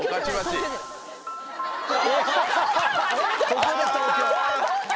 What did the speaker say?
ここで東京。